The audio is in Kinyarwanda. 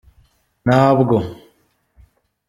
Ntabwo